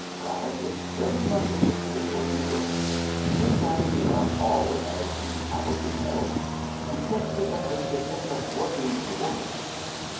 Gladys is very much interested in working girls. In fact, we are all, as you probably know, intensely interested in the working woman."